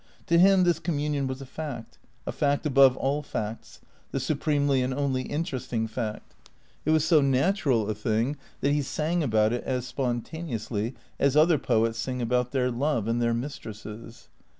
To him this communion was a fact, a fact above all facts, the supremely and only interesting fact. It was so natural a thing that he sang about it as spontaneously as other poets sing about their love and their mistresses.